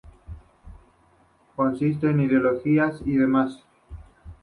Coexisten ideologías y demás.